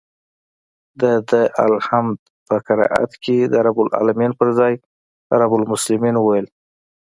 ده د الحمد په قرائت کښې د رب العلمين پر ځاى رب المسلمين وويل.